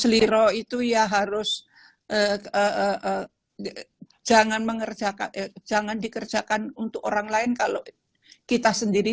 seliro itu ya harus jangan mengerjakan jangan dikerjakan untuk orang lain kalau kita sendiri